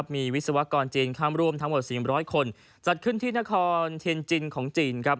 มีวิศวกรจีนข้ามร่วมทั้งหมด๔๐๐คนจัดขึ้นที่นครเทียนจินของจีนครับ